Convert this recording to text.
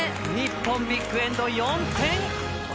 日本、ビッグエンド、４点！